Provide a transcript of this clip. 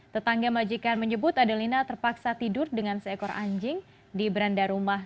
tetangga majikan menyebut adelina terpaksa tidur dengan seekor anjing di beranda rumah